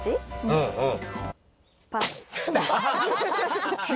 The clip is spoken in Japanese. うんうん。